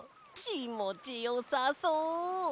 きもちよさそう！